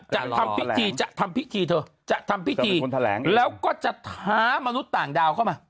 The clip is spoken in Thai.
จะทำพิธีจะทำพิธีเธอจะทำพิธีแล้วก็จะท้ามนุษย์ต่างดาวเข้ามา